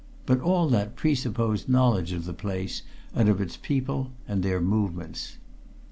But all that presupposed knowledge of the place and of its people and their movements.